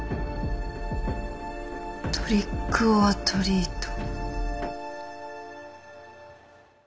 トリックオアトリート。